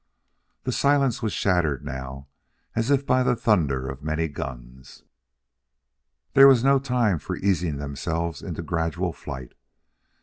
The silence was shattered now as if by the thunder of many guns. There was no time for easing themselves into gradual flight.